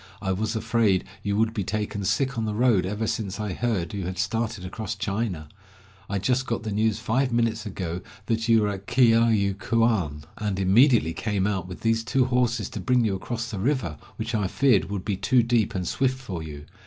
"I was afraid you would be taken sick on the road ever since I heard you had started across China. I just got the news five minutes ago that you were at Kiayu kuan, and immediately came out with these two horses to bring you across the river, which I feared would be too deep and swift for you.